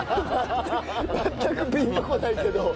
全くピンとこないけど。